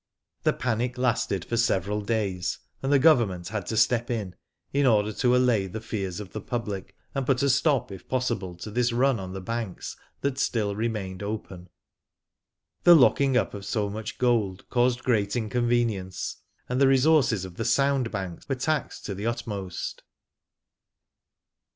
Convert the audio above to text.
This panic lasted for several days, and the Government had to step in, in order to allay the fears of the public, and put a stop, if possible, to this run on the banks that still remained open. The locking up of so much gold caused great inconvenience, and the resources of the sound b^^nks were taxed to the utmost.